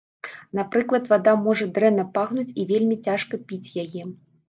Напрыклад, вада можа дрэнна пахнуць, і вельмі цяжка піць яе.